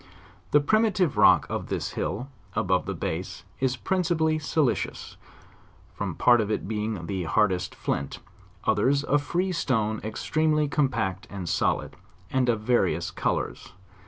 The primative rock of this hill, above the base, is principally silicious, some part of it being the hard est flint, others a free stone extremely compact and solid, and of various colors.